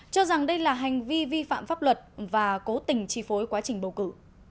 cho rằng đây là hành vi vi phạm pháp luật và cố tình chi phối quá trình bầu cử